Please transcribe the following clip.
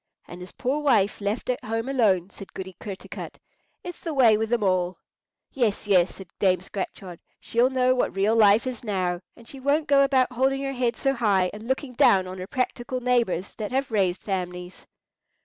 "And his poor wife left at home alone," said Goody Kertarkut. "It's the way with 'em all!" "Yes, yes," said Dame Scratchard, "she'll know what real life is now, and she won't go about holding her head so high, and looking down on her practical neighbours that have raised families."